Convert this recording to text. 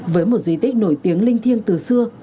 với một di tích nổi tiếng lý do